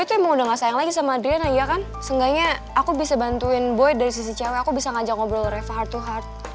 terima kasih si cewek aku bisa ngajak ngobrol reva heart to heart